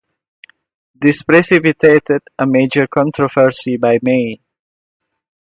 This precipitated a major controversy by May.